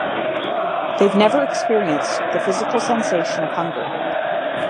They've never experienced the physical sensation of hunger.